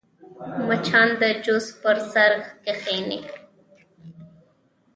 مچان د جوس پر سر کښېني